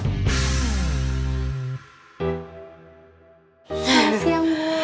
selamat siang bu